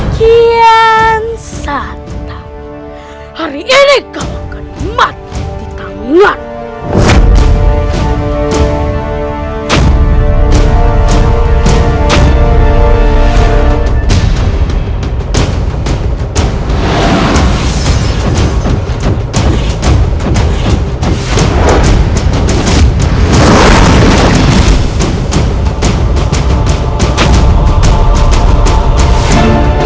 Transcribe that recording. kian satam hari ini kau akan mati di tanganmu